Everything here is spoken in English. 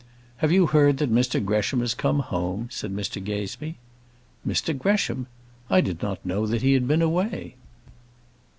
"Have you heard that Mr Gresham has come home?" said Mr Gazebee. "Mr Gresham! I did not know that he had been away."